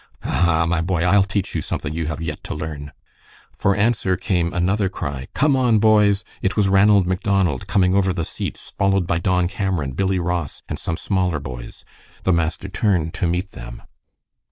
"Aha! my boy! I'll teach you something you have yet to learn." For answer came another cry, "Come on, boys!" It was Ranald Macdonald, coming over the seats, followed by Don Cameron, Billy Ross, and some smaller boys. The master turned to meet them.